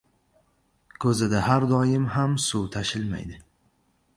• Ko‘zada har doim ham suv tashilmaydi.